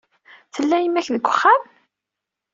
Tella yemma-k deg wexxam?